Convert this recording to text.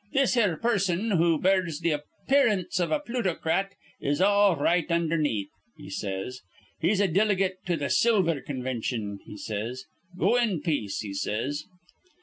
'This here person, who bears th' appearance iv a plutocrat, is all right underneath,' he says. 'He's a diligate to th' silver convintion,' he says. 'Go in peace,' he says.